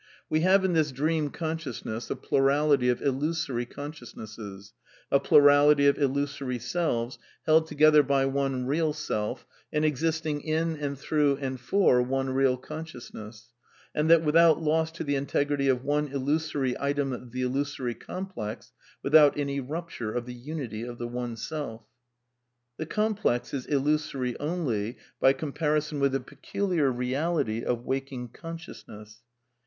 We have in this dream consciousness a plurality of illusory consciousnesses, a plurality of illusory selves, held together by one " real " self, and existing in and through and for one real conscious ness, and that without loss to the integrity of one illusory item of the illusory complex, without any rupture of the unity of the one self. The complex is illusory only by comparison with the pe culiar reality of waking consciousness.